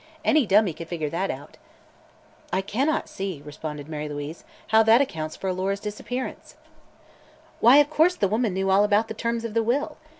Any dummy could figure that out." "I cannot see," responded Mary Louise, "how that accounts for Alora's disappearance." "Why, of course the woman knew all about the terms of the will.